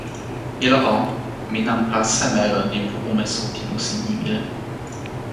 ilo o, mi nanpa seme lon lipu umesu pi musi Nimile?